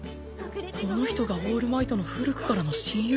この人がオールマイトの古くからの親友？